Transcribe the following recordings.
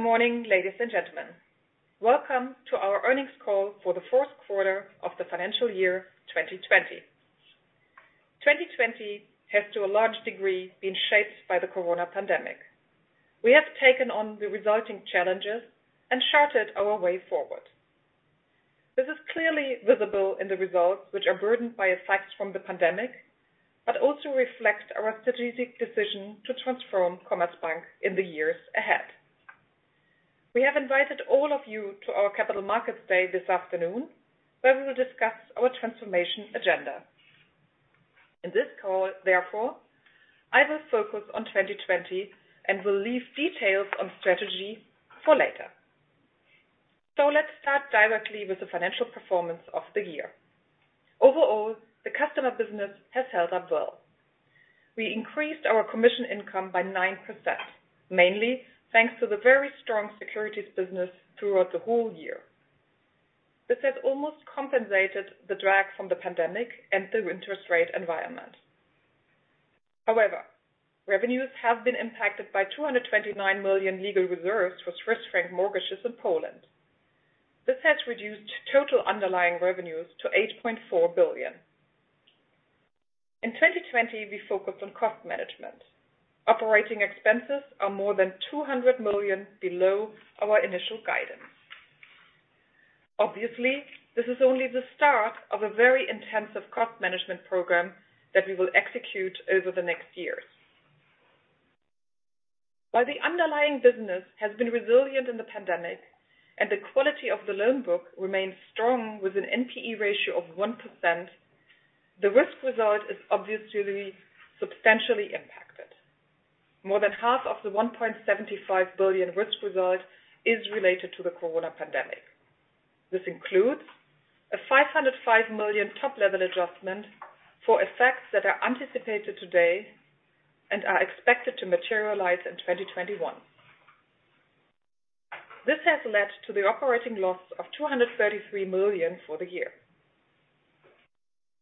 Good morning, ladies and gentlemen. Welcome to our Earnings Call for The Fourth Quarter of The Financial Year 2020. 2020 has, to a large degree, been shaped by the corona pandemic. We have taken on the resulting challenges and charted our way forward. This is clearly visible in the results, which are burdened by effects from the pandemic, but also reflect our strategic decision to transform Commerzbank in the years ahead. We have invited all of you to our Capital Markets Day this afternoon, where we will discuss our transformation agenda. In this call, therefore, I will focus on 2020 and will leave details on strategy for later. So let's start directly with the financial performance of the year. Overall, the customer business has held up well. We increased our commission income by 9%, mainly thanks to the very strong securities business throughout the whole year. This has almost compensated the drag from the pandemic and the interest rate environment. However, revenues have been impacted by 229 million legal reserves for Swiss franc mortgages in Poland. This has reduced total underlying revenues to 8.4 billion. In 2020, we focused on cost management. Operating expenses are more than 200 million below our initial guidance. Obviously, this is only the start of a very intensive cost management program that we will execute over the next years. While the underlying business has been resilient in the pandemic and the quality of the loan book remains strong with an NPE ratio of 1%, the risk result is obviously substantially impacted. More than half of the 1.75 billion risk result is related to the corona pandemic. This includes a 505 million top-level adjustment for effects that are anticipated today and are expected to materialize in 2021. This has led to the operating loss of 233 million for the year.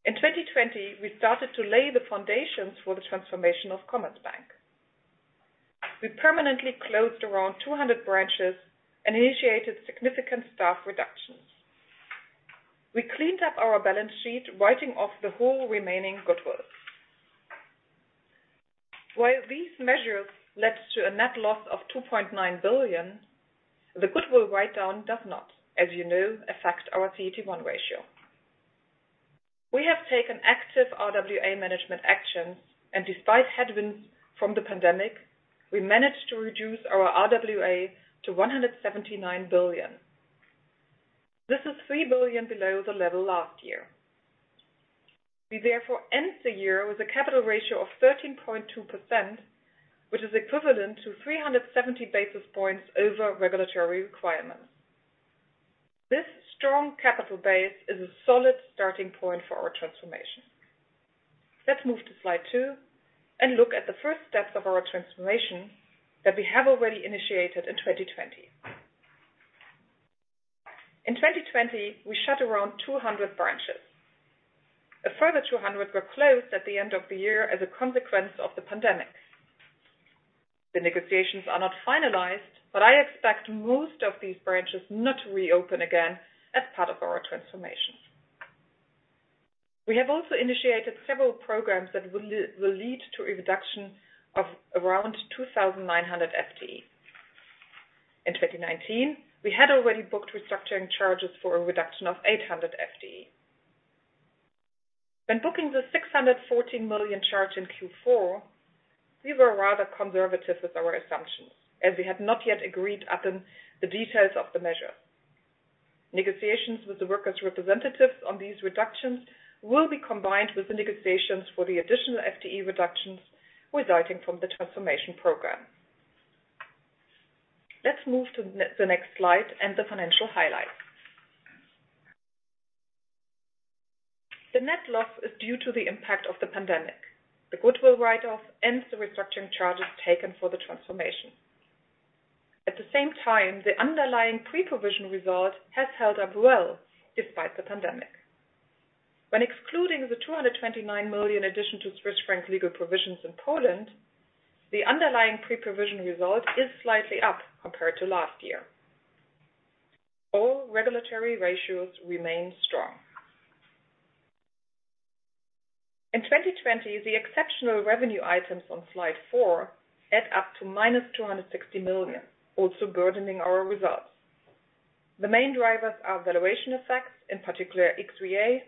In 2020, we started to lay the foundations for the transformation of Commerzbank. We permanently closed around 200 branches and initiated significant staff reductions. We cleaned up our balance sheet, writing off the whole remaining goodwill. While these measures led to a net loss of 2.9 billion, the goodwill write-down does not, as you know, affect our CET1 ratio. We have taken active RWA management actions, and despite headwinds from the pandemic, we managed to reduce our RWA to 179 billion. This is 3 billion below the level last year. We therefore end the year with a capital ratio of 13.2%, which is equivalent to 370 basis points over regulatory requirements. This strong capital base is a solid starting point for our transformation. Let's move to slide 2 and look at the first steps of our transformation that we have already initiated in 2020. In 2020, we shut around 200 branches. A further 200 were closed at the end of the year as a consequence of the pandemic. The negotiations are not finalized, but I expect most of these branches not to reopen again as part of our transformation. We have also initiated several programs that will lead to a reduction of around 2,900 FTE. In 2019, we had already booked restructuring charges for a reduction of 800 FTE. When booking the 614 million charge in Q4, we were rather conservative with our assumptions, as we had not yet agreed upon the details of the measures. Negotiations with the workers' representatives on these reductions will be combined with the negotiations for the additional FTE reductions resulting from the transformation program. Let's move to the next slide and the financial highlights. The net loss is due to the impact of the pandemic. The goodwill write-off ends the restructuring charges taken for the transformation. At the same time, the underlying pre-provision result has held up well despite the pandemic. When excluding the 229 million addition to Swiss franc legal provisions in Poland, the underlying pre-provision result is slightly up compared to last year. All regulatory ratios remain strong. In 2020, the exceptional revenue items on slide 4 add up to -260 million, also burdening our results. The main drivers are valuation effects, in particular XVA,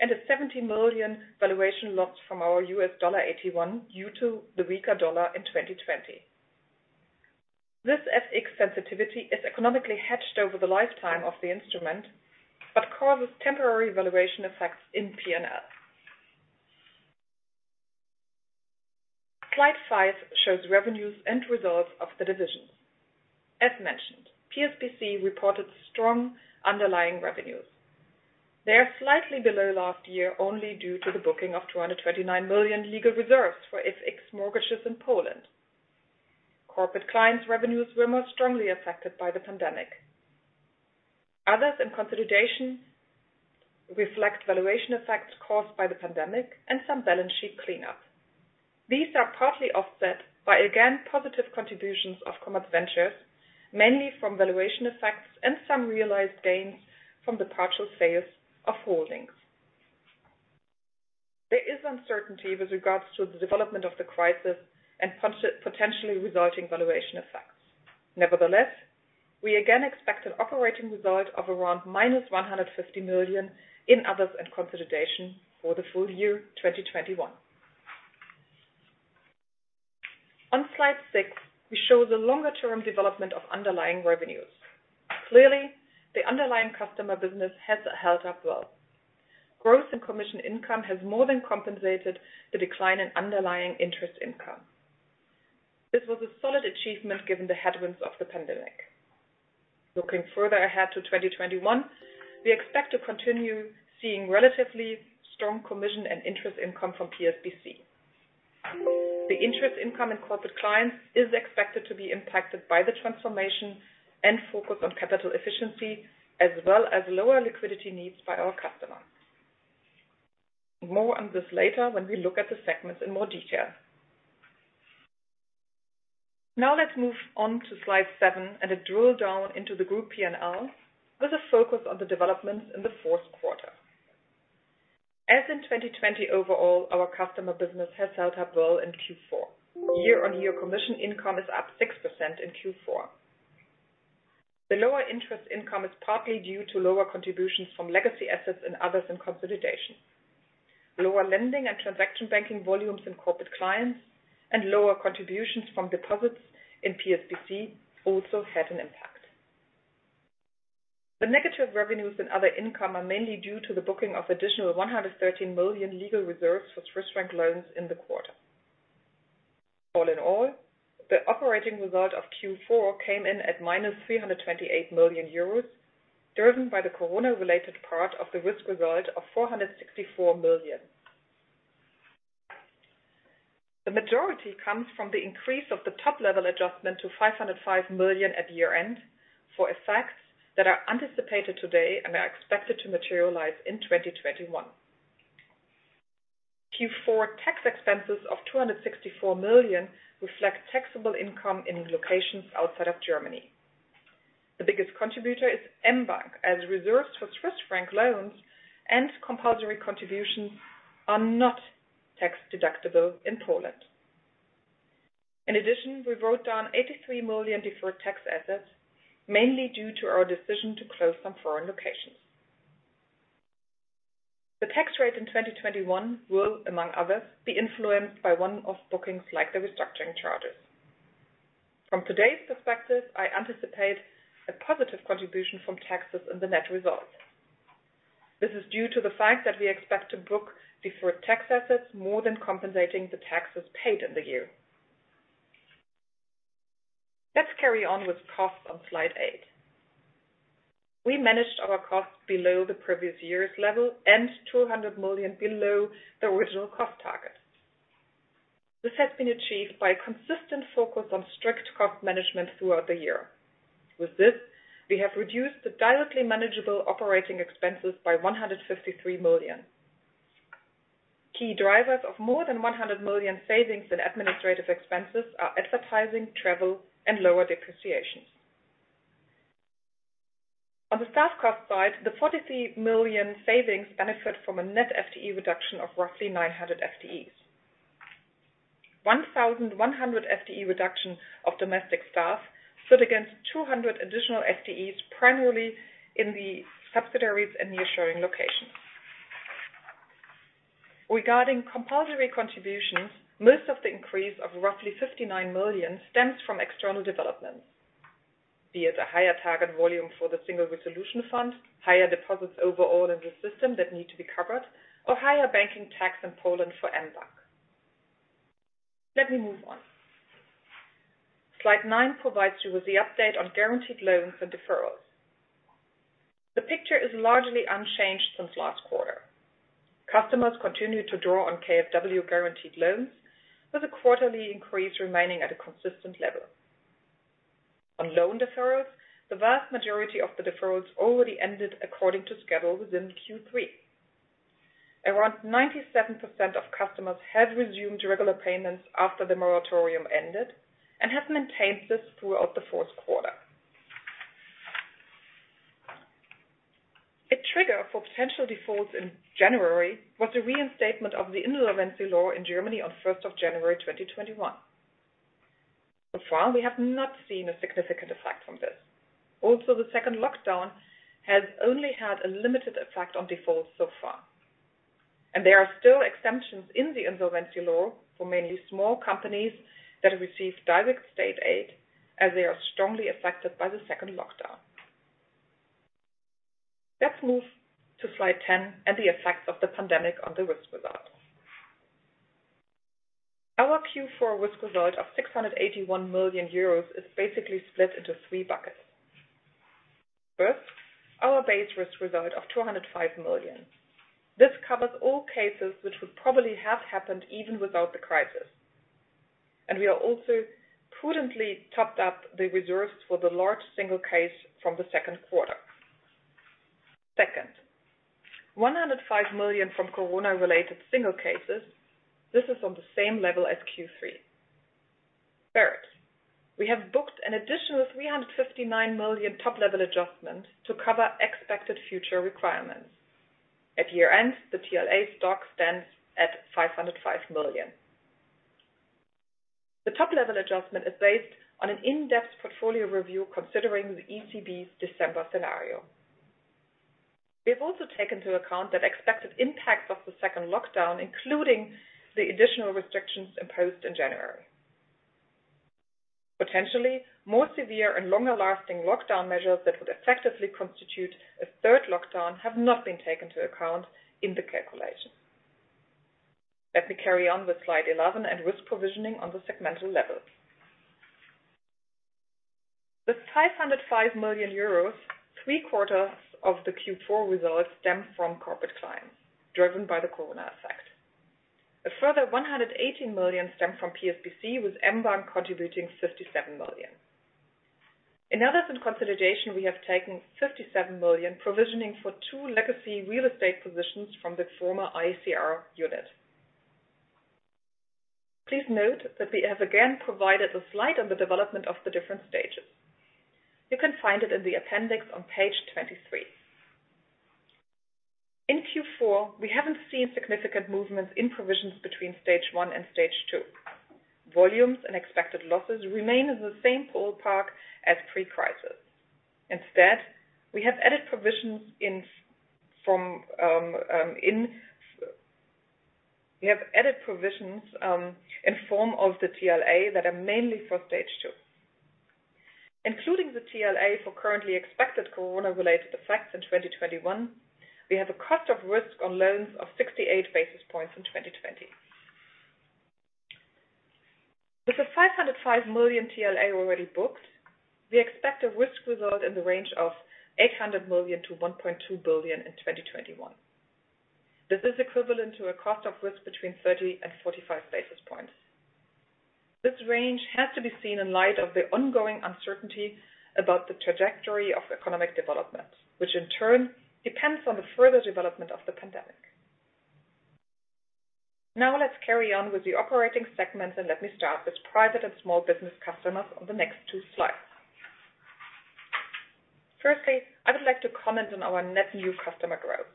and a 70 million valuation loss from our AT1 due to the weaker dollar in 2020. This FX sensitivity is economically hedged over the lifetime of the instrument but causes temporary valuation effects in P&L. Slide five shows revenues and results of the divisions. As mentioned, PSBC reported strong underlying revenues. They are slightly below last year only due to the booking of 229 million legal reserves for FX mortgages in Poland. Corporate Clients' revenues were more strongly affected by the pandemic. Others and Consolidation reflect valuation effects caused by the pandemic and some balance sheet cleanup. These are partly offset by, again, positive contributions of Commerzbank Ventures, mainly from valuation effects and some realized gains from the partial sales of holdings. There is uncertainty with regards to the development of the crisis and potentially resulting valuation effects. Nevertheless, we again expect an operating result of around -150 million in Others and Consolidation for the full year 2021. On slide six, we show the longer-term development of underlying revenues. Clearly, the underlying customer business has held up well. Growth in commission income has more than compensated the decline in underlying interest income. This was a solid achievement given the headwinds of the pandemic. Looking further ahead to 2021, we expect to continue seeing relatively strong commission and interest income from PSBC. The interest income in Corporate Clients is expected to be impacted by the transformation and focus on capital efficiency, as well as lower liquidity needs by our customers. More on this later when we look at the segments in more detail. Now let's move on to slide seven and a drill down into the group P&L with a focus on the developments in the fourth quarter. As in 2020 overall, our customer business has held up well in Q4. Year-on-year commission income is up 6% in Q4. The lower interest income is partly due to lower contributions from legacy assets and Others and Consolidation. Lower lending and transaction banking volumes in Corporate Clients and lower contributions from deposits in PSBC also had an impact. The negative revenues and other income are mainly due to the booking of additional 113 million legal reserves for Swiss franc loans in the quarter. All in all, the operating result of Q4 came in at -328 million euros, driven by the corona-related part of the risk result of 464 million. The majority comes from the increase of the top-level adjustment to 505 million at year-end for effects that are anticipated today and are expected to materialize in 2021. Q4 tax expenses of 264 million reflect taxable income in locations outside of Germany. The biggest contributor is mBank, as reserves for Swiss franc loans and compulsory contributions are not tax-deductible in Poland. In addition, we wrote down 83 million deferred tax assets, mainly due to our decision to close some foreign locations. The tax rate in 2021 will, among others, be influenced by one-off bookings like the restructuring charges. From today's perspective, I anticipate a positive contribution from taxes in the net result. This is due to the fact that we expect to book deferred tax assets more than compensating the taxes paid in the year. Let's carry on with costs on slide eight. We managed our costs below the previous year's level and 200 million below the original cost target. This has been achieved by a consistent focus on strict cost management throughout the year. With this, we have reduced the directly manageable operating expenses by 153 million. Key drivers of more than 100 million savings in administrative expenses are advertising, travel, and lower depreciations. On the staff cost side, the 43 million savings benefit from a net FTE reduction of roughly 900 FTEs. 1,100 FTE reduction of domestic staff stood against 200 additional FTEs primarily in the subsidiaries and nearshoring locations. Regarding compulsory contributions, most of the increase of roughly 59 million stems from external developments, be it a higher target volume for the Single Resolution Fund, higher deposits overall in the system that need to be covered, or higher banking tax in Poland for mBank. Let me move on. Slide nine provides you with the update on guaranteed loans and deferrals. The picture is largely unchanged since last quarter. Customers continue to draw on KfW guaranteed loans, with a quarterly increase remaining at a consistent level. On loan deferrals, the vast majority of the deferrals already ended according to schedule within Q3. Around 97% of customers have resumed regular payments after the moratorium ended and have maintained this throughout the fourth quarter. A trigger for potential defaults in January was the reinstatement of the insolvency law in Germany on 1 January 2021. So far, we have not seen a significant effect from this. Also, the second lockdown has only had a limited effect on defaults so far. And there are still exemptions in the insolvency law for mainly small companies that receive direct state aid, as they are strongly affected by the second lockdown. Let's move to slide 10 and the effects of the pandemic on the risk result. Our Q4 risk result of 681 million euros is basically split into three buckets. First, our base risk result of 205 million. This covers all cases which would probably have happened even without the crisis. And we have also prudently topped up the reserves for the large single case from the second quarter. Second, 105 million from corona-related single cases. This is on the same level as Q3. Third, we have booked an additional 359 million top-level adjustment to cover expected future requirements. At year-end, the TLA stock stands at 505 million. The top-level adjustment is based on an in-depth portfolio review considering the ECB's December scenario. We have also taken into account that expected impacts of the second lockdown, including the additional restrictions imposed in January. Potentially, more severe and longer-lasting lockdown measures that would effectively constitute a third lockdown have not been taken into account in the calculation. Let me carry on with slide 11 and risk provisioning on the segmental level. The 505 million euros, three quarters of the Q4 result, stem from Corporate Clients, driven by the corona effect. A further 118 million stem from PSBC, with mBank contributing 57 million. In Others and Consolidation, we have taken 57 million, provisioning for two legacy real estate positions from the former ACR unit. Please note that we have again provided a slide on the development of the different stages. You can find it in the appendix on page 23. In Q4, we haven't seen significant movements in provisions between stage 1 and stage 2. Volumes and expected losses remain in the same ballpark as pre-crisis. Instead, we have added provisions in form of the TLA that are mainly for stage 2. Including the TLA for currently expected corona-related effects in 2021, we have a cost of risk on loans of 68 basis points in 2020. With the 505 million TLA already booked, we expect a risk result in the range of 800 million-1.2 billion in 2021. This is equivalent to a cost of risk between 30 and 45 basis points. This range has to be seen in light of the ongoing uncertainty about the trajectory of economic development, which in turn depends on the further development of the pandemic. Now let's carry on with the operating segments, and let me start with Private and Small-Business Customers on the next two slides. Firstly, I would like to comment on our net new customer growth.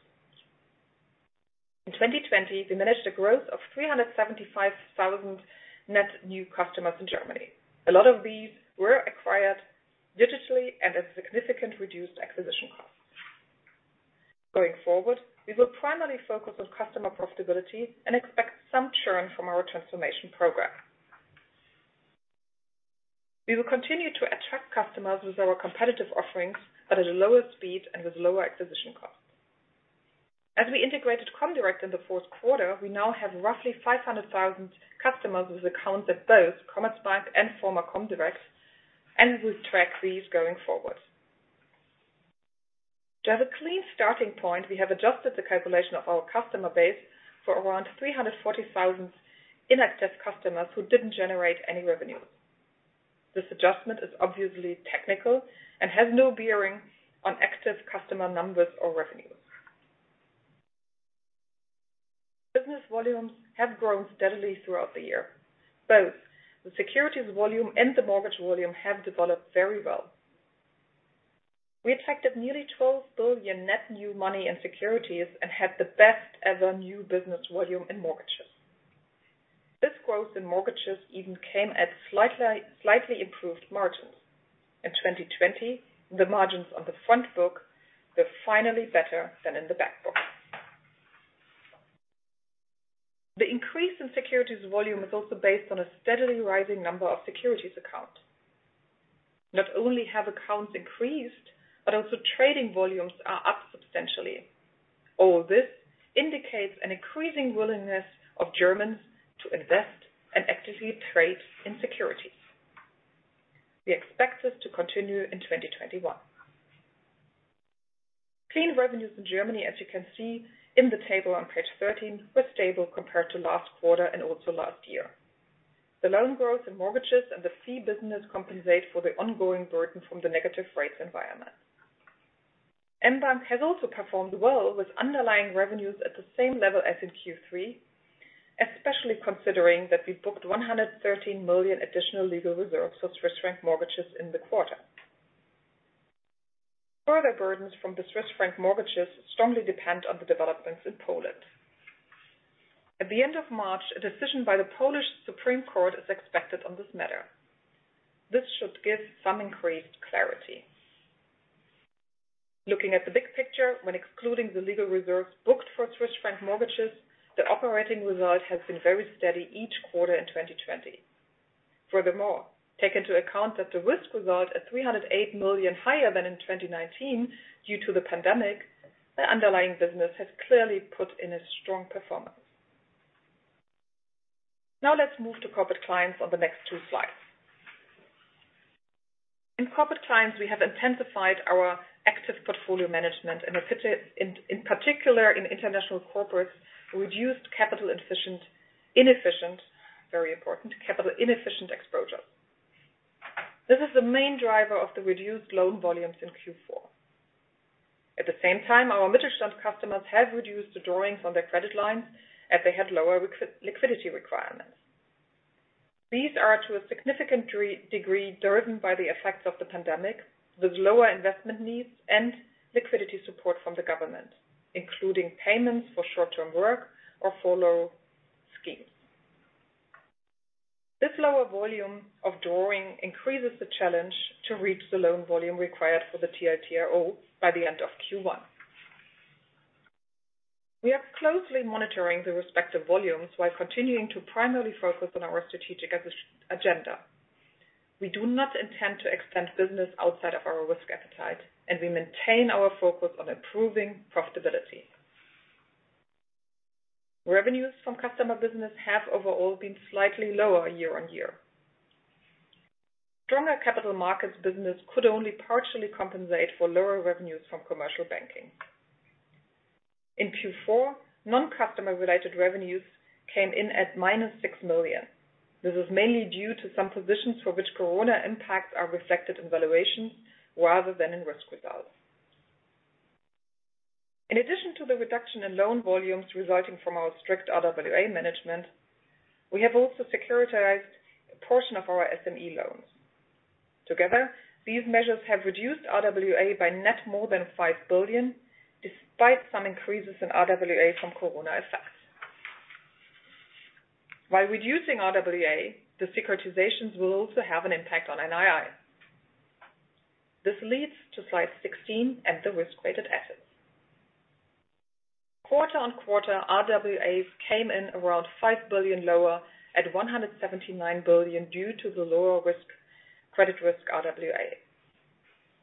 In 2020, we managed a growth of 375,000 net new customers in Germany. A lot of these were acquired digitally and at significant reduced acquisition costs. Going forward, we will primarily focus on customer profitability and expect some churn from our transformation program. We will continue to attract customers with our competitive offerings, but at a lower speed and with lower acquisition costs. As we integrated comdirect in the fourth quarter, we now have roughly 500,000 customers with accounts at both Commerzbank and former comdirect, and we will track these going forward. To have a clean starting point, we have adjusted the calculation of our customer base for around 340,000 inactive customers who didn't generate any revenues. This adjustment is obviously technical and has no bearing on active customer numbers or revenues. Business volumes have grown steadily throughout the year. Both the securities volume and the mortgage volume have developed very well. We attracted nearly 12 billion net new money in securities and had the best-ever new business volume in mortgages. This growth in mortgages even came at slightly improved margins. In 2020, the margins on the front book were finally better than in the back book. The increase in securities volume is also based on a steadily rising number of securities accounts. Not only have accounts increased, but also trading volumes are up substantially. All this indicates an increasing willingness of Germans to invest and actively trade in securities. We expect this to continue in 2021. Clean revenues in Germany, as you can see in the table on page 13, were stable compared to last quarter and also last year. The loan growth in mortgages and the fee business compensate for the ongoing burden from the negative rates environment. mBank has also performed well, with underlying revenues at the same level as in Q3, especially considering that we booked 113 million additional legal reserves for Swiss franc mortgages in the quarter. Further burdens from the Swiss franc mortgages strongly depend on the developments in Poland. At the end of March, a decision by the Polish Supreme Court is expected on this matter. This should give some increased clarity. Looking at the big picture, when excluding the legal reserves booked for Swiss franc mortgages, the operating result has been very steady each quarter in 2020. Furthermore, take into account that the risk result at 308 million higher than in 2019 due to the pandemic, the underlying business has clearly put in a strong performance. Now let's move to Corporate Clients on the next two slides. In Corporate Clients, we have intensified our active portfolio management, and in particular, in international corporates, reduced capital-inefficient, very important, capital-inefficient exposures. This is the main driver of the reduced loan volumes in Q4. At the same time, our Mittelstand customers have reduced the drawings on their credit lines, as they had lower liquidity requirements. These are to a significant degree driven by the effects of the pandemic, with lower investment needs and liquidity support from the government, including payments for short-term work or furlough schemes. This lower volume of drawing increases the challenge to reach the loan volume required for the TLTRO by the end of Q1. We are closely monitoring the respective volumes while continuing to primarily focus on our strategic agenda. We do not intend to extend business outside of our risk appetite, and we maintain our focus on improving profitability. Revenues from customer business have overall been slightly lower year-on-year. Stronger capital markets business could only partially compensate for lower revenues from commercial banking. In Q4, non-customer-related revenues came in at -6 million. This is mainly due to some positions for which corona impacts are reflected in valuations rather than in risk results. In addition to the reduction in loan volumes resulting from our strict RWA management, we have also securitized a portion of our SME loans. Together, these measures have reduced RWA by net more than 5 billion, despite some increases in RWA from corona effects. While reducing RWA, the securitizations will also have an impact on NII. This leads to slide 16 and the risk-weighted assets. Quarter-on-quarter, RWAs came in around 5 billion lower at 179 billion due to the lower risk credit risk RWA.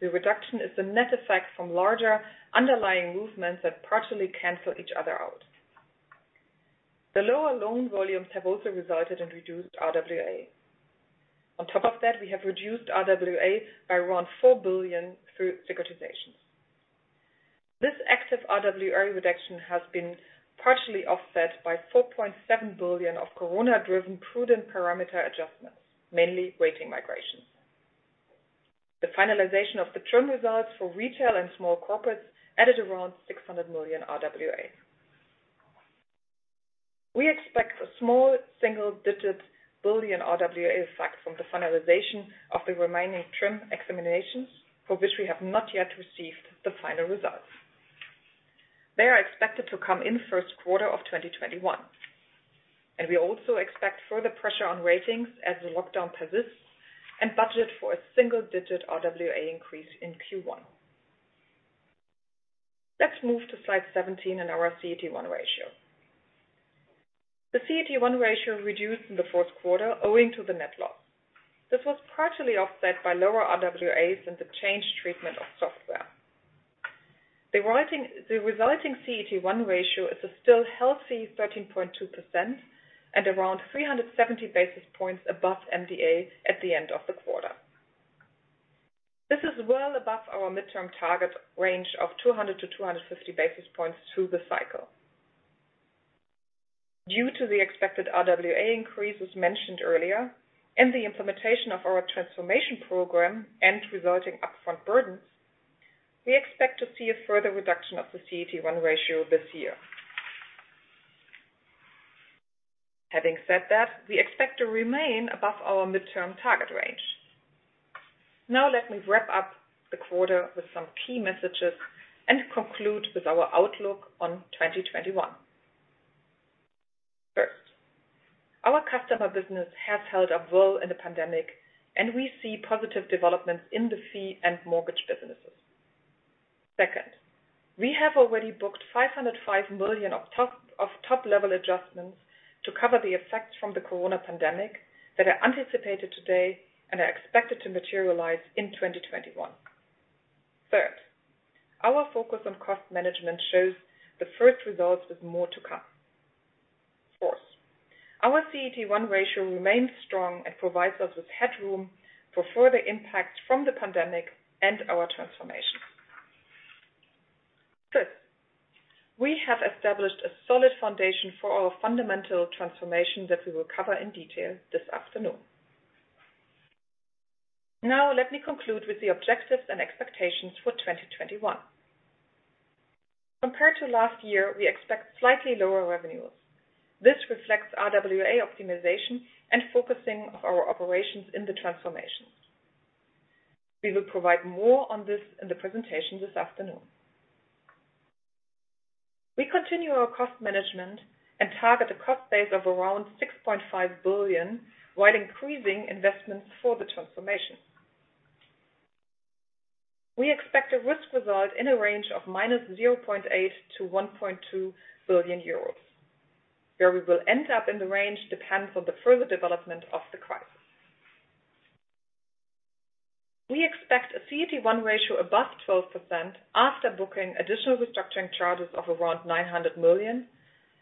The reduction is the net effect from larger underlying movements that partially cancel each other out. The lower loan volumes have also resulted in reduced RWA. On top of that, we have reduced RWA by around 4 billion through securitizations. This active RWA reduction has been partially offset by 4.7 billion of corona-driven prudent parameter adjustments, mainly rating migrations. The finalization of the TRIM results for retail and small corporates added around 600 million RWA. We expect a small single-digit billion RWA effect from the finalization of the remaining TRIM examinations, for which we have not yet received the final results. They are expected to come in first quarter of 2021, and we also expect further pressure on ratings as the lockdown persists and budget for a single-digit RWA increase in Q1. Let's move to slide 17 and our CET1 ratio. The CET1 ratio reduced in the fourth quarter, owing to the net loss. This was partially offset by lower RWAs and the changed treatment of software. The resulting CET1 ratio is still healthy 13.2% and around 370 basis points above MDA at the end of the quarter. This is well above our midterm target range of 200 to 250 basis points through the cycle. Due to the expected RWA increases mentioned earlier and the implementation of our transformation program and resulting upfront burdens, we expect to see a further reduction of the CET1 ratio this year. Having said that, we expect to remain above our midterm target range. Now let me wrap up the quarter with some key messages and conclude with our outlook on 2021. First, our customer business has held up well in the pandemic, and we see positive developments in the fee and mortgage businesses. Second, we have already booked 505 million of top-level adjustments to cover the effects from the corona pandemic that are anticipated today and are expected to materialize in 2021. Third, our focus on cost management shows the first results with more to come. Fourth, our CET1 ratio remains strong and provides us with headroom for further impacts from the pandemic and our transformation. Fifth, we have established a solid foundation for our fundamental transformation that we will cover in detail this afternoon. Now let me conclude with the objectives and expectations for 2021. Compared to last year, we expect slightly lower revenues. This reflects RWA optimization and focusing of our operations in the transformation. We will provide more on this in the presentation this afternoon. We continue our cost management and target a cost base of around 6.5 billion while increasing investments for the transformation. We expect a risk result in a range of -0.8 billion to -1.2 billion euros, where we will end up in the range depends on the further development of the crisis. We expect a CET1 ratio above 12% after booking additional restructuring charges of around 900 million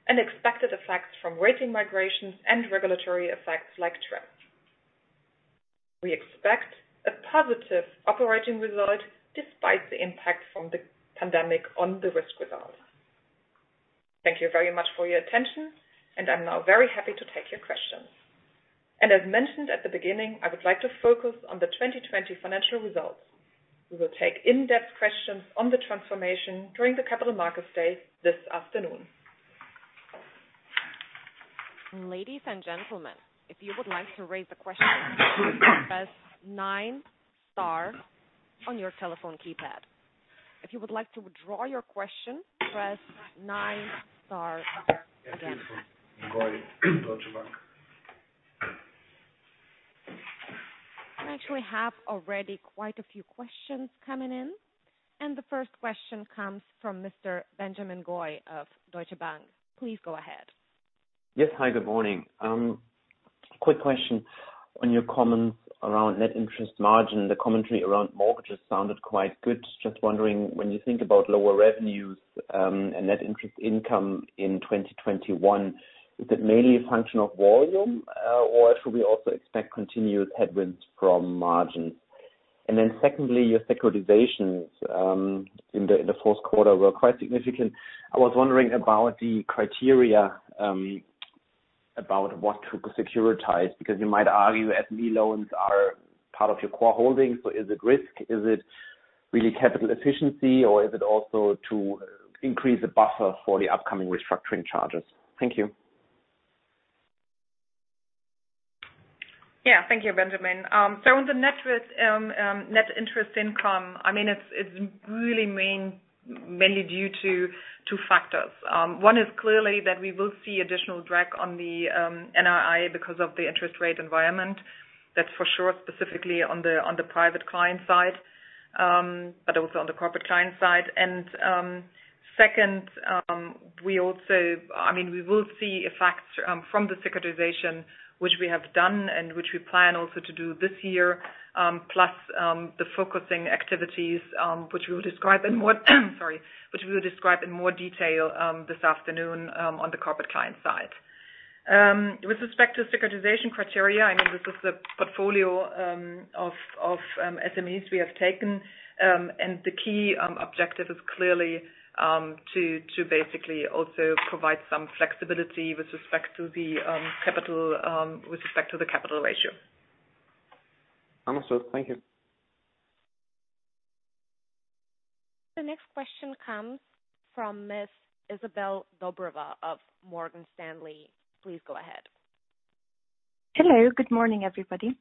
and expected effects from rating migrations and regulatory effects like TRIM. We expect a positive operating result despite the impact from the pandemic on the risk result. Thank you very much for your attention, and I'm now very happy to take your questions. And as mentioned at the beginning, I would like to focus on the 2020 financial results. We will take in-depth questions on the transformation during the Capital Markets Day this afternoon. Ladies and gentlemen, if you would like to raise a question, press nine star on your telephone keypad. If you would like to withdraw your question, press nine star again. We actually have already quite a few questions coming in. And the first question comes from Mr. Benjamin Goy of Deutsche Bank. Please go ahead. Yes, hi, good morning. Quick question on your comments around net interest margin. The commentary around mortgages sounded quite good. Just wondering, when you think about lower revenues and net interest income in 2021, is it mainly a function of volume, or should we also expect continuous headwinds from margins? And then secondly, your securitizations in the fourth quarter were quite significant. I was wondering about the criteria about what to securitize, because you might argue SME loans are part of your core holdings. So is it risk? Is it really capital efficiency, or is it also to increase the buffer for the upcoming restructuring charges? Thank you. Yeah, thank you, Benjamin. So on the net interest income, I mean, it's really mainly due to two factors. One is clearly that we will see additional drag on the NII because of the interest rate environment. That's for sure, specifically on the Private Client side, but also on the Corporate Client side. And second, we also, I mean, we will see effects from the securitization, which we have done and which we plan also to do this year, plus the focusing activities, which we will describe in more, sorry, which we will describe in more detail this afternoon on the Corporate Client side. With respect to securitization criteria, I mean, this is the portfolio of SMEs we have taken, and the key objective is clearly to basically also provide some flexibility with respect to the capital, with respect to the capital ratio. Understood. Thank you. The next question comes from Ms. Izabel Dobreva of Morgan Stanley. Please go ahead. Hello, good morning, everybody.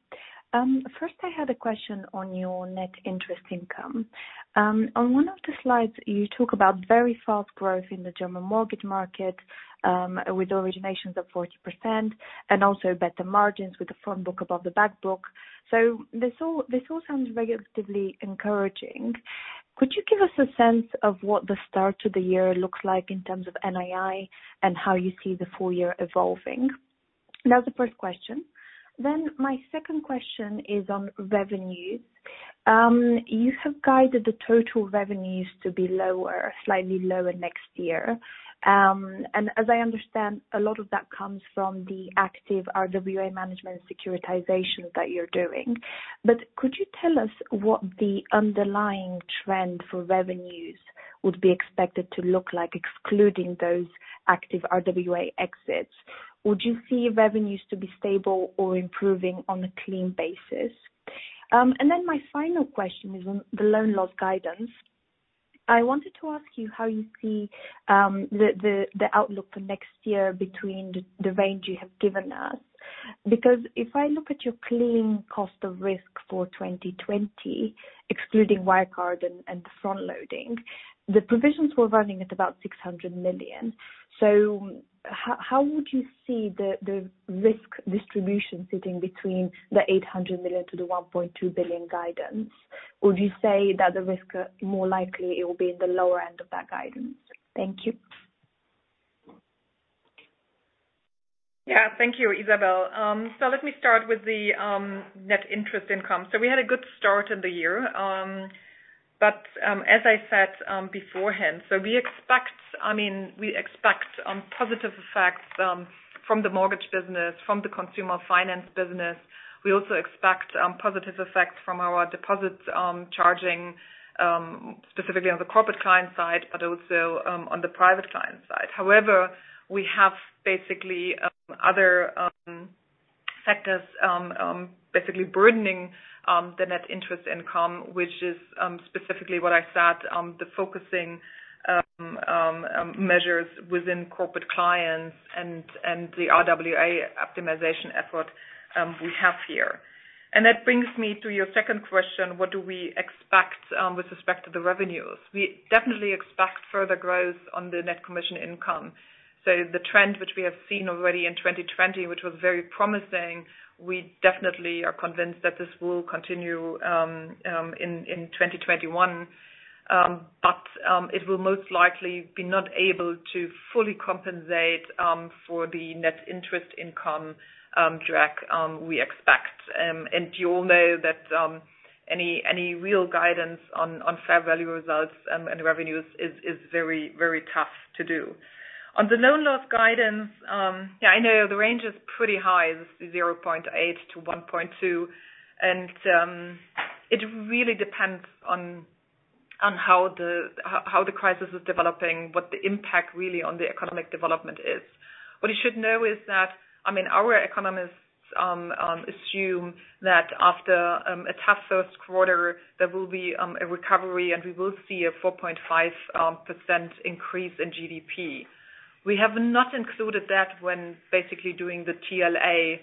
First, I had a question on your net interest income. On one of the slides, you talk about very fast growth in the German mortgage market with originations of 40% and also better margins with the front book above the back book. This all sounds relatively encouraging. Could you give us a sense of what the start to the year looks like in terms of NII and how you see the full year evolving? That was the first question. My second question is on revenues. You have guided the total revenues to be lower, slightly lower next year. As I understand, a lot of that comes from the active RWA management securitization that you're doing. Could you tell us what the underlying trend for revenues would be expected to look like, excluding those active RWA exits? Would you see revenues to be stable or improving on a clean basis? My final question is on the loan loss guidance. I wanted to ask you how you see the outlook for next year between the range you have given us. Because if I look at your clean cost of risk for 2020, excluding Wirecard and the front loading, the provisions were running at about 600 million. So how would you see the risk distribution sitting between the 800 million-1.2 billion guidance? Would you say that the risk more likely it will be in the lower end of that guidance? Thank you. Yeah, thank you, Izabel. So let me start with the net interest income. So we had a good start in the year. But as I said beforehand, so we expect, I mean, we expect positive effects from the mortgage business, from the consumer finance business. We also expect positive effects from our deposit charging, specifically on the Corporate Client side, but also on the Private Client side. However, we have basically other factors burdening the net interest income, which is specifically what I said, the focusing measures within Corporate Clients and the RWA optimization effort we have here. And that brings me to your second question. What do we expect with respect to the revenues? We definitely expect further growth on the net commission income. So the trend which we have seen already in 2020, which was very promising, we definitely are convinced that this will continue in 2021. But it will most likely be not able to fully compensate for the net interest income drag we expect. And you all know that any real guidance on fair value results and revenues is very, very tough to do. On the loan loss guidance, yeah, I know the range is pretty high, EUR 0.8billion-EUR 1.2 billion. It really depends on how the crisis is developing, what the impact really on the economic development is. What you should know is that, I mean, our economists assume that after a tough first quarter, there will be a recovery and we will see a 4.5% increase in GDP. We have not included that when basically doing the TLA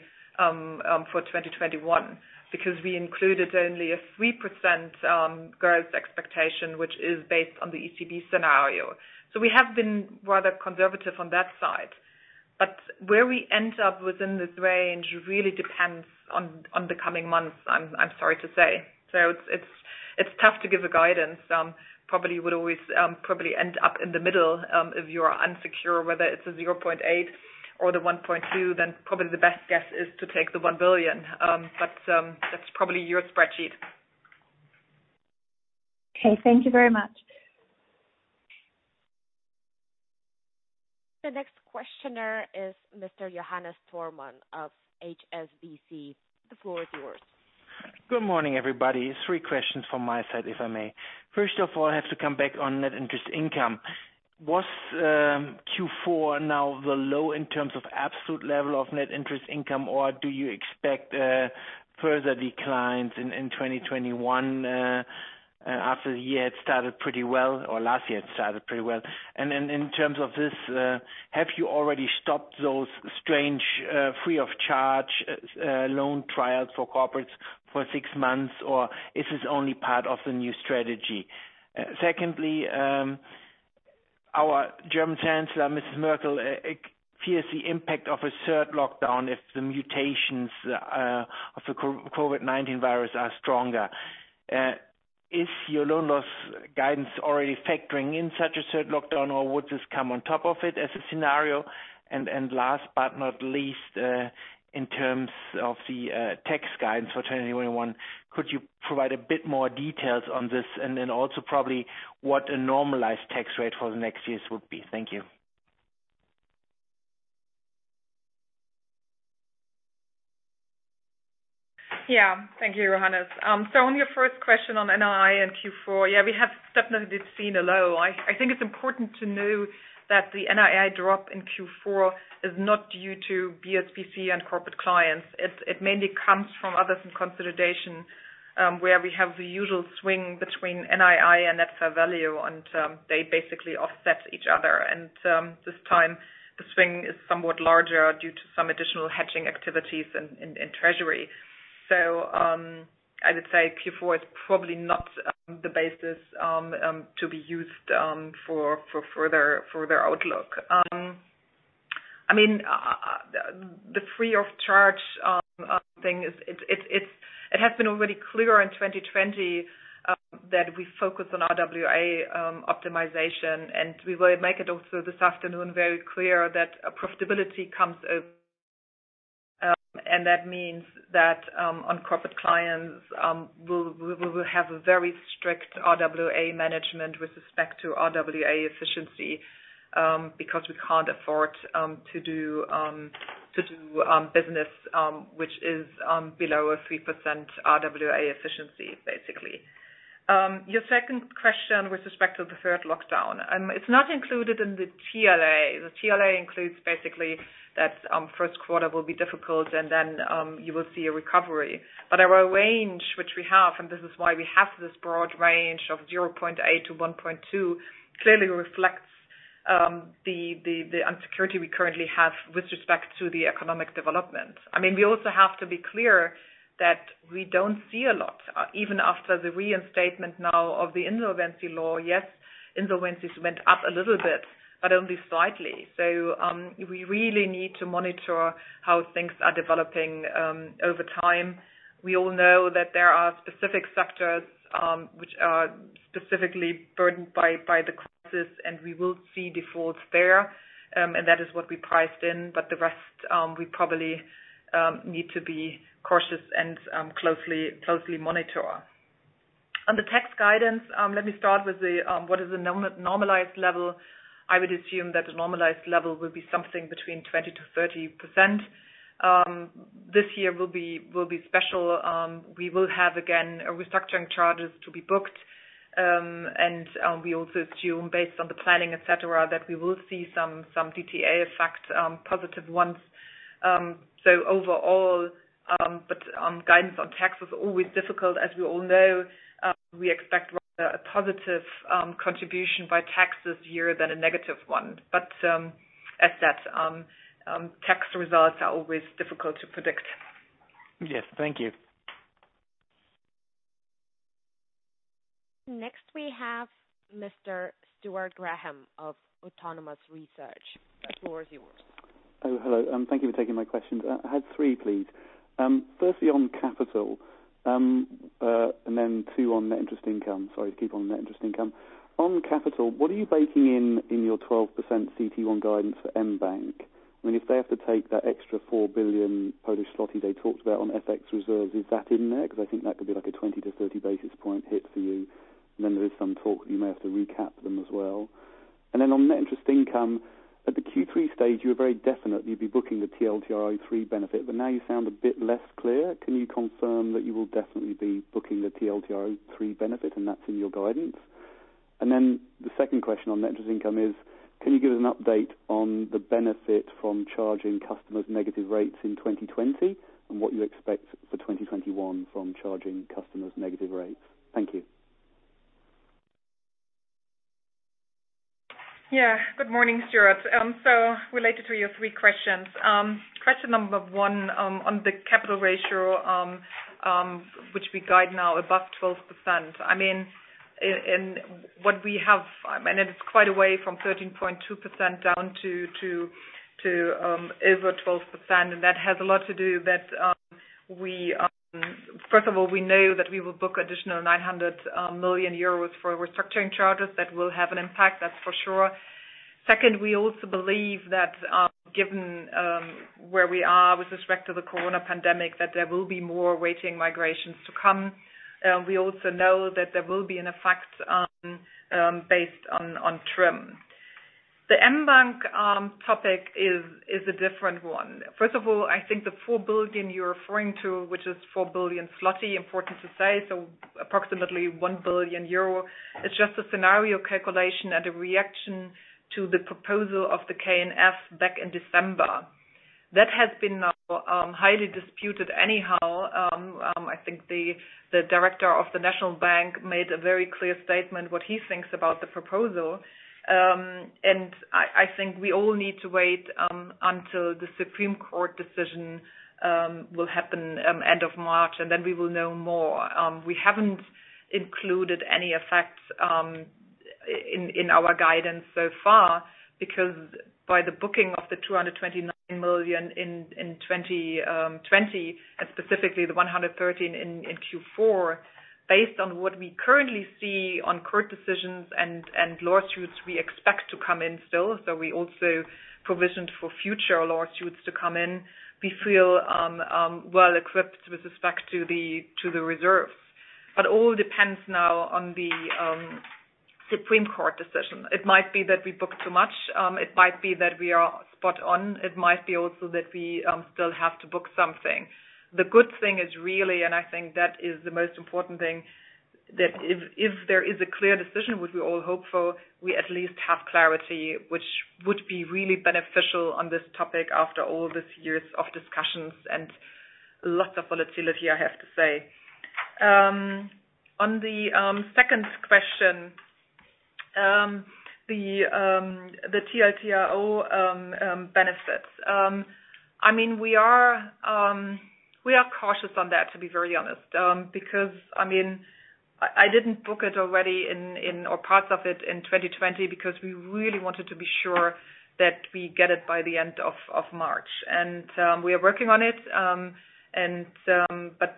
for 2021 because we included only a 3% growth expectation, which is based on the ECB scenario. So we have been rather conservative on that side. But where we end up within this range really depends on the coming months, I'm sorry to say. So it's tough to give a guidance. Probably would always end up in the middle if you are unsure whether it's a 0.8 billion or the 1.2 billion, then probably the best guess is to take the 1 billion. But that's probably your spreadsheet. Okay, thank you very much. The next questioner is Mr. Johannes Thormann of HSBC. The floor is yours. Good morning, everybody. Three questions from my side, if I may. First of all, I have to come back on net interest income. Was Q4 now the low in terms of absolute level of net interest income, or do you expect further declines in 2021 after the year had started pretty well, or last year had started pretty well? And in terms of this, have you already stopped those strange free-of-charge loan trials for corporates for six months, or is this only part of the new strategy? Secondly, our German Chancellor, Mrs. Merkel, fears the impact of a third lockdown if the mutations of the COVID-19 virus are stronger. Is your loan loss guidance already factoring in such a third lockdown, or would this come on top of it as a scenario? And last but not least, in terms of the tax guidance for 2021, could you provide a bit more details on this, and then also probably what a normalized tax rate for the next years would be? Thank you. Yeah, thank you, Johannes. So on your first question on NII and Q4, yeah, we have definitely seen a low. I think it's important to know that the NII drop in Q4 is not due to PSBC and Corporate Clients. It mainly comes from others and consolidation where we have the usual swing between NII and net fair value, and they basically offset each other. And this time, the swing is somewhat larger due to some additional hedging activities in Treasury. So I would say Q4 is probably not the basis to be used for further outlook. I mean, the free-of-charge thing, it has been already clear in 2020 that we focus on RWA optimization, and we will make it also this afternoon very clear that profitability comes over, and that means that on Corporate Clients, we will have a very strict RWA management with respect to RWA efficiency because we can't afford to do business which is below a 3% RWA efficiency, basically. Your second question with respect to the third lockdown, it's not included in the TLA. The TLA includes basically that first quarter will be difficult, and then you will see a recovery, but our range, which we have, and this is why we have this broad range of 0.8 billion-1.2 billion, clearly reflects the uncertainty we currently have with respect to the economic development. I mean, we also have to be clear that we don't see a lot. Even after the reinstatement now of the insolvency law, yes, insolvencies went up a little bit, but only slightly, so we really need to monitor how things are developing over time. We all know that there are specific sectors which are specifically burdened by the crisis, and we will see defaults there, and that is what we priced in, but the rest, we probably need to be cautious and closely monitor. On the tax guidance, let me start with what is the normalized level. I would assume that the normalized level will be something between 20%-30%. This year will be special. We will have, again, restructuring charges to be booked, and we also assume, based on the planning, etc., that we will see some DTA effect, positive ones, so overall, but guidance on tax is always difficult. As we all know, we expect rather a positive contribution by tax this year than a negative one. But as said, tax results are always difficult to predict. Yes, thank you. Next, we have Mr. Stuart Graham of Autonomous Research. The floor is yours. Hello, hello. Thank you for taking my questions. I had three, please. Firstly, on capital, and then two on net interest income. Sorry to keep on net interest income. On capital, what are you baking in your 12% CET1 guidance for mBank? I mean, if they have to take that extra 4 billion Polish zloty they talked about on FX reserves, is that in there? Because I think that could be like a 20-30 basis point hit for you. And then there is some talk that you may have to recap them as well. And then on net interest income, at the Q3 stage, you were very definite you'd be booking the TLTRO III benefit, but now you sound a bit less clear. Can you confirm that you will definitely be booking the TLTRO III benefit, and that's in your guidance? And then the second question on net interest income is, can you give us an update on the benefit from charging customers negative rates in 2020 and what you expect for 2021 from charging customers negative rates? Thank you. Yeah, good morning, Stuart. So related to your three questions, question number one on the capital ratio, which we guide now above 12%. I mean, what we have, and it's quite a way from 13.2% down to over 12%, and that has a lot to do that we, first of all, we know that we will book additional 900 million euros for restructuring charges that will have an impact, that's for sure. Second, we also believe that given where we are with respect to the corona pandemic, that there will be more stage migrations to come. We also know that there will be an effect based on TRIM. The mBank topic is a different one. First of all, I think the 4 billion you're referring to, which is 4 billion zloty, important to say, so approximately 1 billion euro, is just a scenario calculation and a reaction to the proposal of the KNF back in December. That has been highly disputed anyhow. I think the director of the National Bank made a very clear statement what he thinks about the proposal. And I think we all need to wait until the Supreme Court decision will happen end of March, and then we will know more. We haven't included any effects in our guidance so far because by the booking of the 229 million in 2020, and specifically the 113 million in Q4, based on what we currently see on court decisions and lawsuits we expect to come in still, so we also provisioned for future lawsuits to come in, we feel well equipped with respect to the reserves. But it all depends now on the Supreme Court decision. It might be that we booked too much. It might be that we are spot on. It might be also that we still have to book something. The good thing is really, and I think that is the most important thing, that if there is a clear decision, which we all hope for, we at least have clarity, which would be really beneficial on this topic after all these years of discussions and lots of volatility, I have to say. On the second question, the TLTRO benefits, I mean, we are cautious on that, to be very honest, because, I mean, I didn't book it already in or parts of it in 2020 because we really wanted to be sure that we get it by the end of March. And we are working on it, but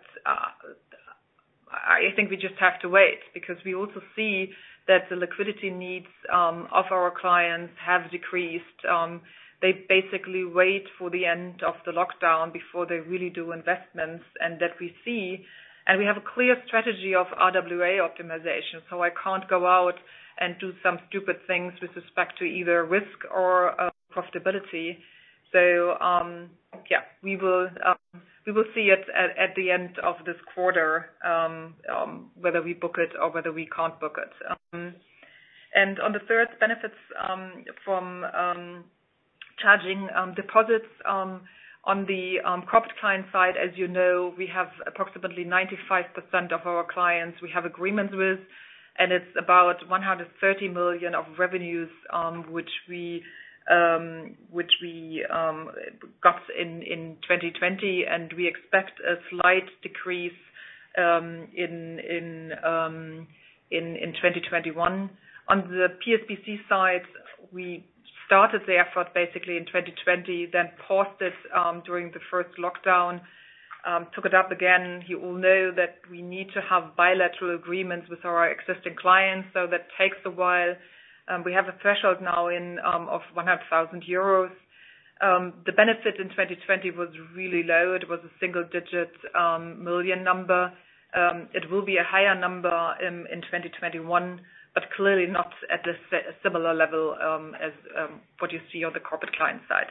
I think we just have to wait because we also see that the liquidity needs of our clients have decreased. They basically wait for the end of the lockdown before they really do investments, and that we see. And we have a clear strategy of RWA optimization, so I can't go out and do some stupid things with respect to either risk or profitability. So yeah, we will see it at the end of this quarter, whether we book it or whether we can't book it. And on the third, benefits from charging deposits on the Corporate Clients side, as you know, we have approximately 95% of our clients we have agreements with, and it's about 130 million of revenues which we got in 2020, and we expect a slight decrease in 2021. On the PSBC side, we started the effort basically in 2020, then paused it during the first lockdown, took it up again. You all know that we need to have bilateral agreements with our existing clients, so that takes a while. We have a threshold now of 100,000 euros. The benefit in 2020 was really low. It was a single-digit million number. It will be a higher number in 2021, but clearly not at a similar level as what you see on the Corporate Client side.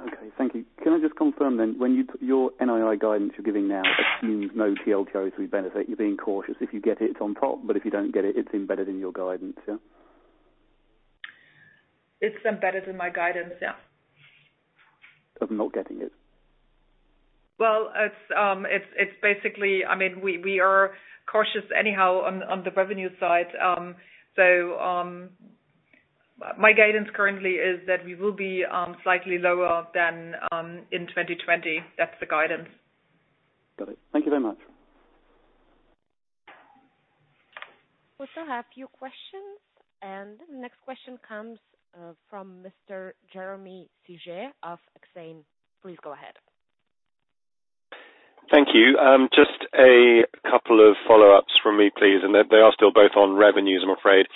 Okay, thank you. Can I just confirm then when your NII guidance you're giving now assumes no TLTRO III benefit, you're being cautious if you get it on top, but if you don't get it, it's embedded in your guidance, yeah? It's embedded in my guidance, yeah. I'm not getting it? Well, it's basically, I mean, we are cautious anyhow on the revenue side. So my guidance currently is that we will be slightly lower than in 2020. That's the guidance. Got it. Thank you very much. We still have a few questions, and the next question comes from Mr. Jeremy Sigee of Exane. Please go ahead. Thank you. Just a couple of follow-ups from me, please, and they are still both on revenues, I'm afraid.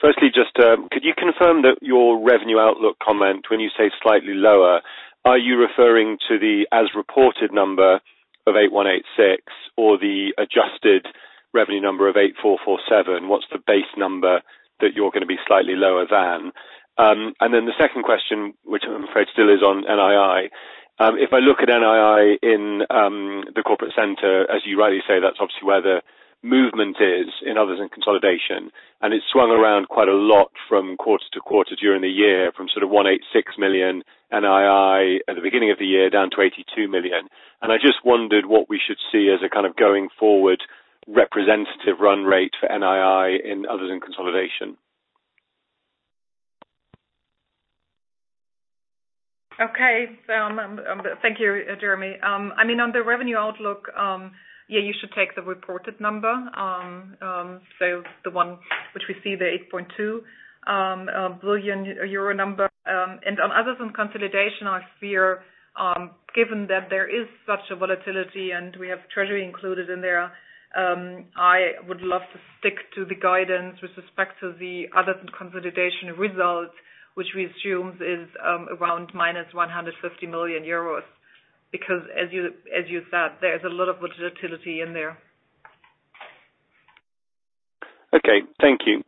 Firstly, just could you confirm that your revenue outlook comment, when you say slightly lower, are you referring to the as-reported number of 8,186 or the adjusted revenue number of 8,447? What's the base number that you're going to be slightly lower than? And then the second question, which I'm afraid still is on NII, if I look at NII in the corporate center, as you rightly say, that's obviously where the movement is in Others and Consolidation, and it's swung around quite a lot from quarter-to-quarter during the year from sort of 186 million NII at the beginning of the year down to 82 million. And I just wondered what we should see as a kind of going forward representative run rate for NII in Others and Consolidation. Okay, thank you, Jeremy. I mean, on the revenue outlook, yeah, you should take the reported number, so the one which we see, the 8.2 billion euro number. And on Others and Consolidation, I fear, given that there is such a volatility and we have Treasury included in there, I would love to stick to the guidance with respect to the Others and Consolidation result, which we assume is around minus 150 million euros because, as you said, there is a lot of volatility in there. Okay, thank you.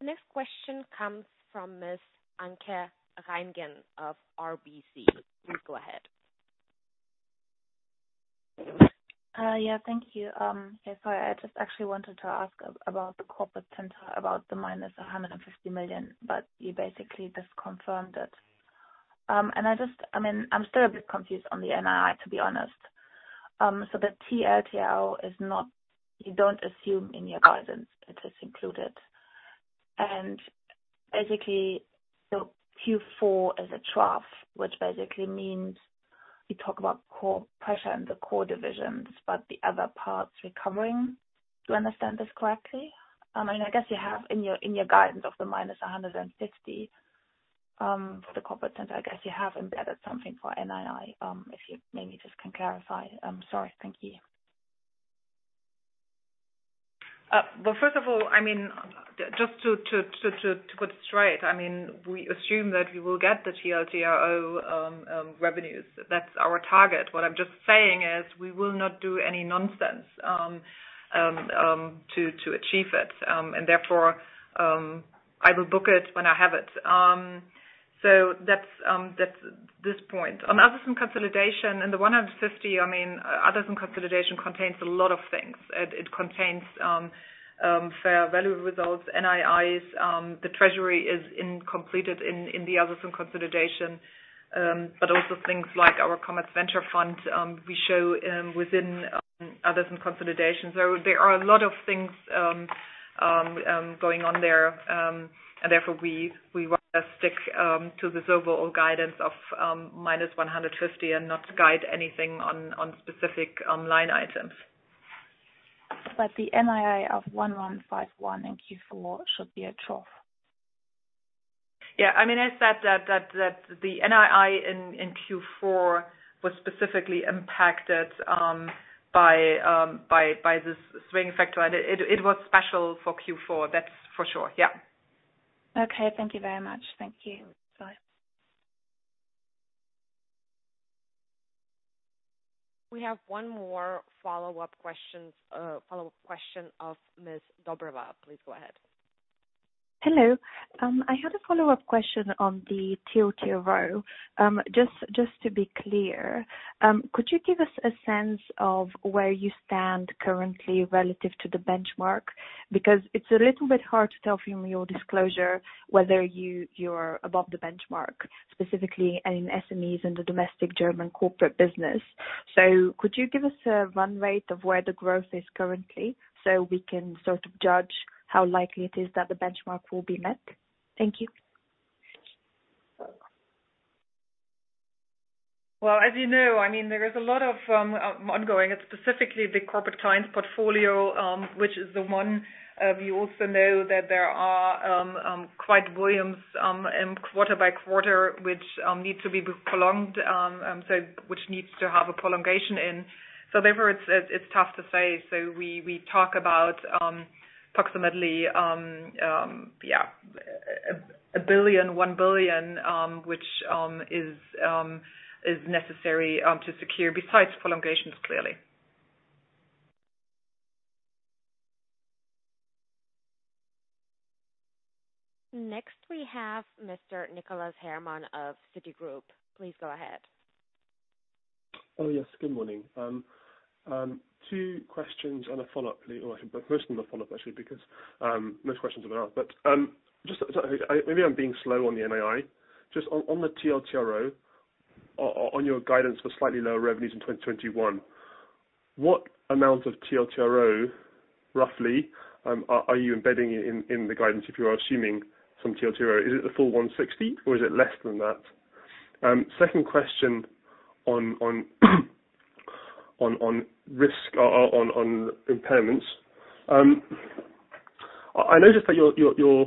The next question comes from Ms. Anke Reingen of RBC. Please go ahead. Yeah, thank you. So I just actually wanted to ask about the corporate center, about the minus 150 million, but you basically just confirmed it. And I mean, I'm still a bit confused on the NII, to be honest. So the TLTRO is not. You don't assume in your guidance it is included. And basically, so Q4 is a trough, which basically means you talk about core pressure in the core divisions, but the other parts recovering. Do I understand this correctly? I mean, I guess you have in your guidance of the -150 million for the corporate center. I guess you have embedded something for NII, if you maybe just can clarify. I'm sorry. Thank you. Well, first of all, I mean, just to put it straight, I mean, we assume that we will get the TLTRO revenues. That's our target. What I'm just saying is we will not do any nonsense to achieve it, and therefore, I will book it when I have it. So that's this point. On Others and Consolidation, and the 150 million, I mean, Others and Consolidation contains a lot of things. It contains fair value results, NIIs. The Treasury is incomplete in the Others and Consolidation, but also things like our Commerzbank Ventures we show within Others and Consolidation. So there are a lot of things going on there, and therefore, we rather stick to this overall guidance of -150 million and not guide anything on specific line items. But the NII of 1,151 in Q4 should be a trough. Yeah, I mean, as said, that the NII in Q4 was specifically impacted by this swing factor, and it was special for Q4. That's for sure. Yeah. Okay, thank you very much. Thank you. We have one more follow-up question of Ms. Dobreva. Please go ahead. Hello. I had a follow-up question on the TLTRO. Just to be clear, could you give us a sense of where you stand currently relative to the benchmark? Because it's a little bit hard to tell from your disclosure whether you're above the benchmark, specifically in SMEs and the domestic German corporate business. So could you give us a run rate of where the growth is currently so we can sort of judge how likely it is that the benchmark will be met? Thank you. Well, as you know, I mean, there is a lot of ongoing, specifically the Corporate Client portfolio, which is the one we also know that there are quite volumes quarter-by-quarter which need to be prolonged, which needs to have a prolongation in. So therefore, it's tough to say. So we talk about approximately, yeah, a billion, one billion, which is necessary to secure besides prolongations, clearly. Next, we have Mr. Nicholas Herman of Citigroup. Please go ahead. Oh, yes. Good morning. Two questions and a follow-up, or a question and a follow-up, actually, because most questions have been asked. But just maybe I'm being slow on the NII. Just on the TLTRO, on your guidance for slightly lower revenues in 2021, what amount of TLTRO, roughly, are you embedding in the guidance if you are assuming some TLTRO? Is it the full 160, or is it less than that? Second question on risk, on impairments. I noticed that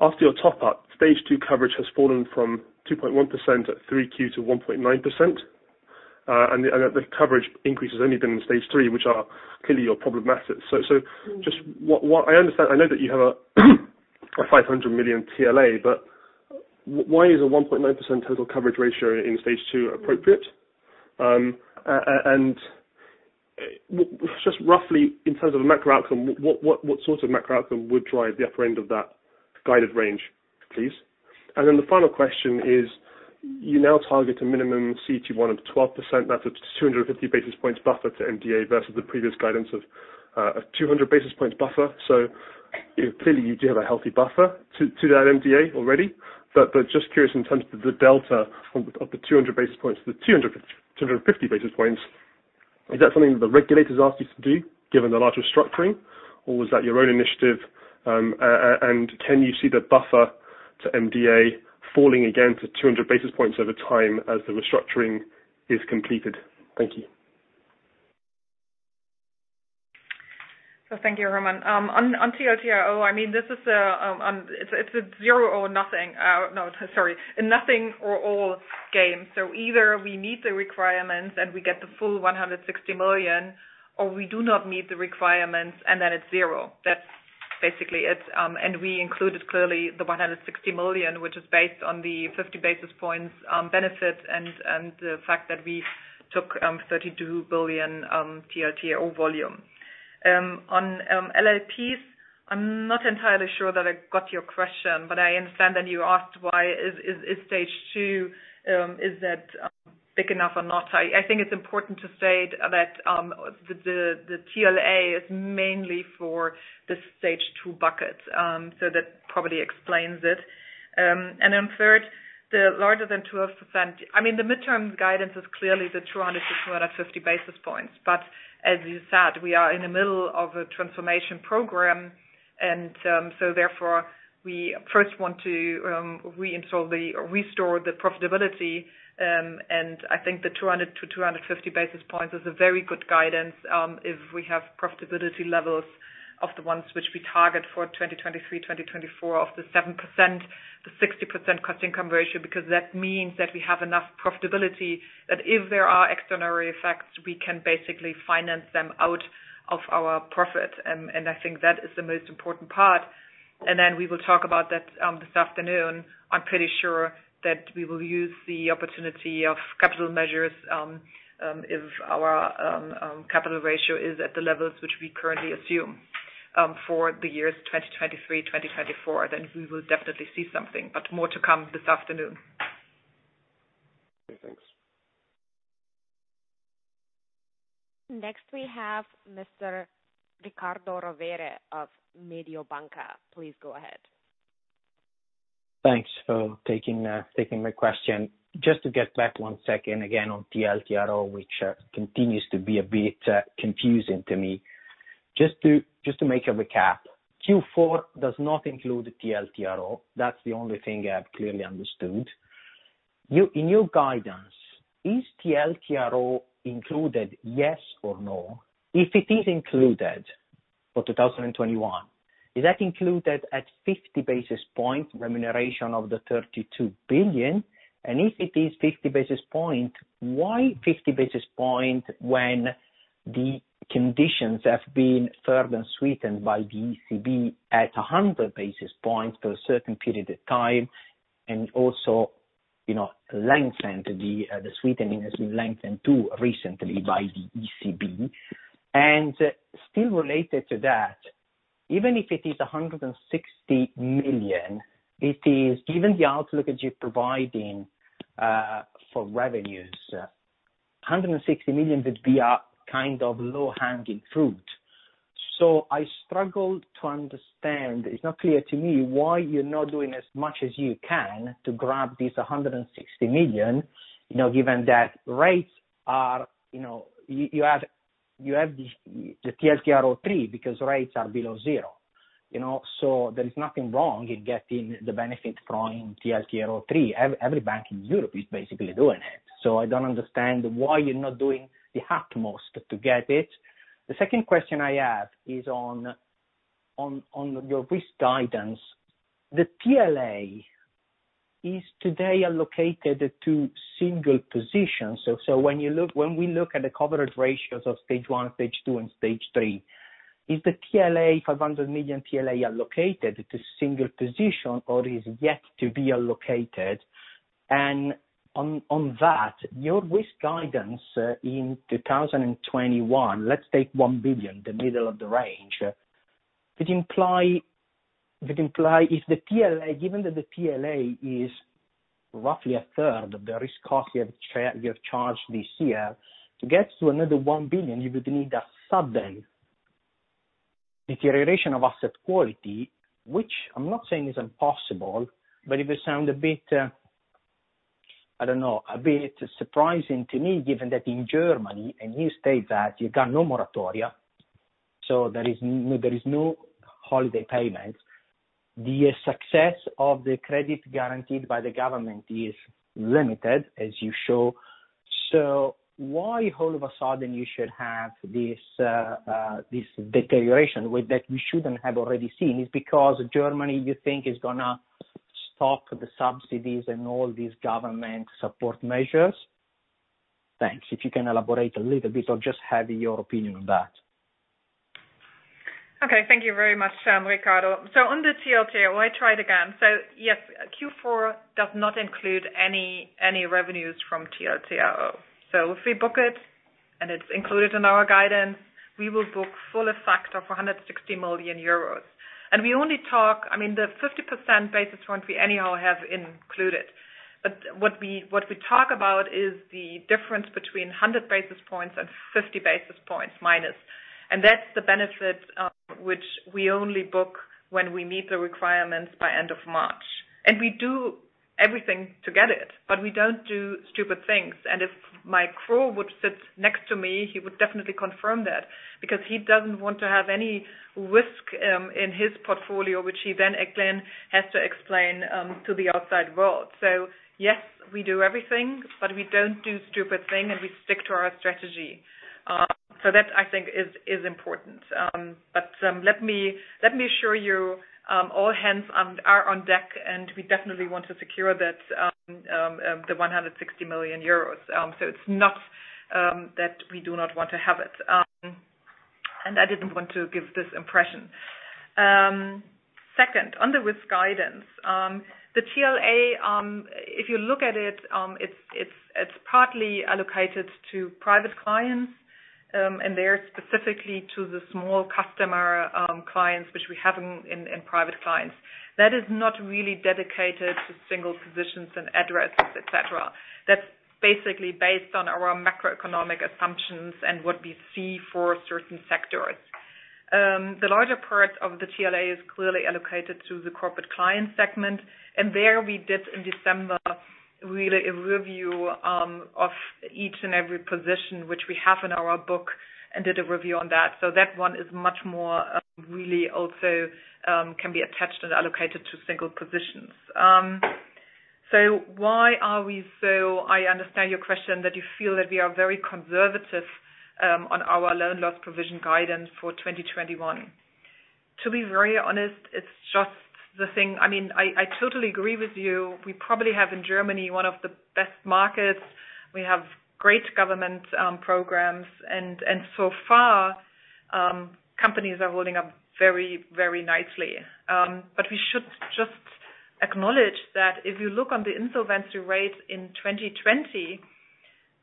after your top-up, stage two coverage has fallen from 2.1% at Q3 to 1.9%, and that the coverage increase has only been in stage 3, which are clearly your problematics. So just what I understand, I know that you have a 500 million TLA, but why is a 1.9% total coverage ratio in stage two appropriate? And just roughly, in terms of a macro outcome, what sort of macro outcome would drive the upper end of that guided range, please? And then the final question is, you now target a minimum CET1 of 12%, that's a 250 basis points buffer to MDA versus the previous guidance of 200 basis points buffer. So clearly, you do have a healthy buffer to that MDA already, but just curious in terms of the delta of the 200 basis points to the 250 basis points, is that something that the regulators ask you to do, given the larger restructuring, or was that your own initiative? And can you see the buffer to MDA falling again to 200 basis points over time as the restructuring is completed? Thank you. So thank you, Herman. On TLTRO, I mean, this is a zero or nothing no, sorry, a nothing or all game. So either we meet the requirements and we get the full 160 million, or we do not meet the requirements and then it's zero. That's basically it. And we included clearly the 160 million, which is based on the 50 basis points benefit and the fact that we took 32 billion TLTRO volume. On LLPs, I'm not entirely sure that I got your question, but I understand that you asked why is stage 2, is that big enough or not. I think it's important to state that the TLA is mainly for the stage 2 buckets, so that probably explains it. And then third, the larger than 12%, I mean, the midterm guidance is clearly the 200-250 basis points, but as you said, we are in the middle of a transformation program, and so therefore, we first want to restore the profitability. And I think the 200-250 basis points is a very good guidance if we have profitability levels of the ones which we target for 2023, 2024 of the 7%, the 60% cost-income ratio, because that means that we have enough profitability that if there are external effects, we can basically finance them out of our profit. And I think that is the most important part. And then we will talk about that this afternoon. I'm pretty sure that we will use the opportunity of capital measures if our capital ratio is at the levels which we currently assume for the years 2023, 2024, then we will definitely see something, but more to come this afternoon. Okay, thanks. Next, we have Mr. Riccardo Rovere of Mediobanca. Please go ahead. Thanks for taking my question. Just to get back one second again on TLTRO, which continues to be a bit confusing to me. Just to make a recap, Q4 does not include TLTRO. That's the only thing I've clearly understood. In your guidance, is TLTRO included, yes or no? If it is included for 2021, is that included at 50 basis points remuneration of the 32 billion? And if it is 50 basis points, why 50 basis points when the conditions have been further sweetened by the ECB at 100 basis points for a certain period of time and also lengthened the sweetening has been lengthened too recently by the ECB? And still related to that, even if it is 160 million, given the outlook that you're providing for revenues, 160 million would be a kind of low-hanging fruit. So I struggle to understand. It's not clear to me why you're not doing as much as you can to grab these 160 million, given that rates are. You have the TLTRO III because rates are below zero. So there is nothing wrong in getting the benefit from TLTRO III. Every bank in Europe is basically doing it. So I don't understand why you're not doing the utmost to get it. The second question I have is on your risk guidance. The TLA is today allocated to single positions. So when we look at the coverage ratios of stage 1, stage 2, and stage 3 is the TLA 500 million TLA allocated to single position or is yet to be allocated? And on that, your risk guidance in 2021, let's take 1 billion, the middle of the range, would imply if the TLA, given that the TLA is roughly a third of the risk cost you've charged this year, to get to another 1 billion, you would need a sudden deterioration of asset quality, which I'm not saying is impossible, but it would sound a bit, I don't know, a bit surprising to me, given that in Germany, and you state that you got no moratoria, so there is no holiday payment, the success of the credit guaranteed by the government is limited, as you show. So why all of a sudden you should have this deterioration that we shouldn't have already seen is because Germany, you think, is going to stop the subsidies and all these government support measures? Thanks. If you can elaborate a little bit or just have your opinion on that. Okay, thank you very much, Riccardo. So on the TLTRO, I try it again. So yes, Q4 does not include any revenues from TLTRO. So if we book it and it's included in our guidance, we will book full effect of 160 million euros. And we only talk, I mean, the 50% basis point we anyhow have included. But what we talk about is the difference between 100 basis points and 50 basis points minus. And that's the benefit which we only book when we meet the requirements by end of March. And we do everything to get it, but we don't do stupid things. And if my CRO would sit next to me, he would definitely confirm that because he doesn't want to have any risk in his portfolio, which he then again has to explain to the outside world. So yes, we do everything, but we don't do stupid things, and we stick to our strategy. So that, I think, is important. But let me assure you, all hands are on deck, and we definitely want to secure the 160 million euros. So it's not that we do not want to have it. And I didn't want to give this impression. Second, on the risk guidance, the TLA, if you look at it, it's partly allocated to Private clients, and they're specifically to the small customer clients which we have in Private clients. That is not really dedicated to single positions and addresses, etc. That's basically based on our macroeconomic assumptions and what we see for certain sectors. The larger part of the TLA is clearly allocated to the Corporate Clients segment, and there we did, in December, really a review of each and every position which we have in our book and did a review on that, so that one is much more really also can be attached and allocated to single positions, so why are we so? I understand your question that you feel that we are very conservative on our loan loss provision guidance for 2021. To be very honest, it's just the thing, I mean, I totally agree with you. We probably have in Germany one of the best markets. We have great government programs, and so far, companies are holding up very, very nicely. But we should just acknowledge that if you look on the insolvency rate in 2020,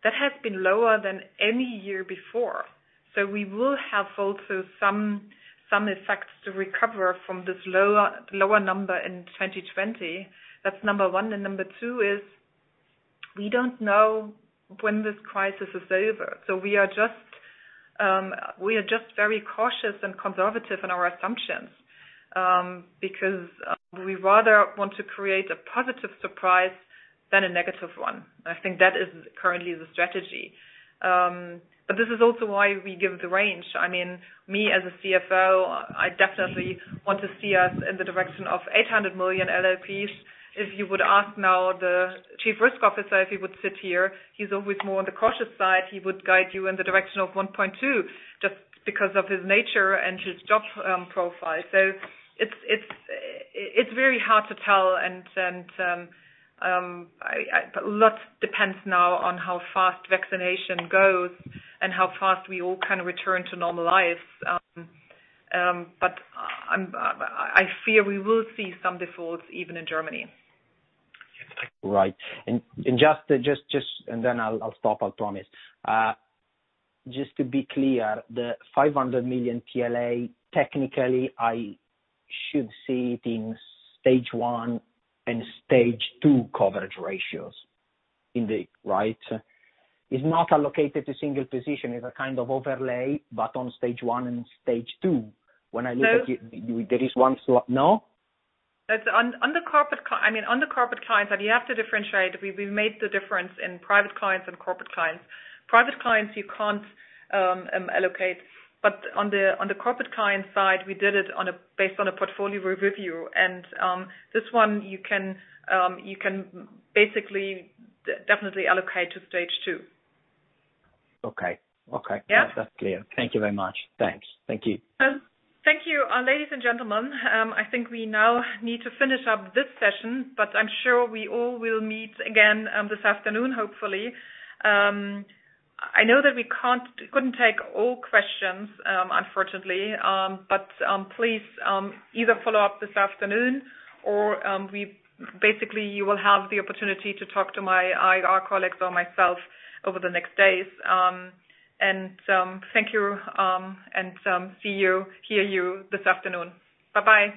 that has been lower than any year before. So we will have also some effects to recover from this lower number in 2020. That's number one. And number two is we don't know when this crisis is over. So we are just very cautious and conservative in our assumptions because we rather want to create a positive surprise than a negative one. I think that is currently the strategy. But this is also why we give the range. I mean, me as a CFO, I definitely want to see us in the direction of 800 million LLPs. If you would ask now the Chief Risk Officer if he would sit here, he's always more on the cautious side. He would guide you in the direction of 1.2 just because of his nature and his job profile, so it's very hard to tell, and a lot depends now on how fast vaccination goes and how fast we all can return to normal lives, but I fear we will see some defaults even in Germany. Right, and just and then I'll stop, I promise. Just to be clear, the 500 million TLA, technically, I should see it in stage 1 and stage 2 coverage ratios, right? It's not allocated to single position. It's a kind of overlay, but on stage 1 and stage 2. When I look at you, there is one slot, no? I mean, on the Corporate Client side, you have to differentiate. We've made the difference in Private Clients and Corporate Clients. Private Clients, you can't allocate. But on the Corporate Client side, we did it based on a portfolio review, and this one, you can basically definitely allocate to stage 2. Okay. Okay. That's clear. Thank you very much. Thanks. Thank you. Thank you. Ladies and gentlemen, I think we now need to finish up this session, but I'm sure we all will meet again this afternoon, hopefully. I know that we couldn't take all questions, unfortunately, but please either follow up this afternoon or basically you will have the opportunity to talk to my IR colleagues or myself over the next days, and thank you and see you, hear you this afternoon. Bye-bye.